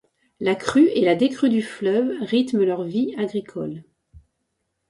La crue et la décrue du fleuve rythment leur vie agricole.